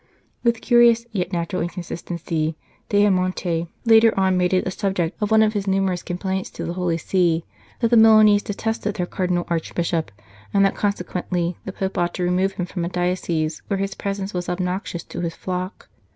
With curious yet natural inconsistency, d Aya monte later on made it a subject of one of his numerous complaints to the Holy See, that the Milanese detested their Cardinal Archbishop, and that consequently the Pope ought to remove him from a diocese where his presence was obnoxious to his flock.